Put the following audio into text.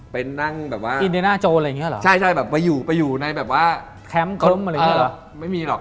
เป็นนั่งแบบว่าใช่ไปอยู่ในแบบว่าไม่มีหรอก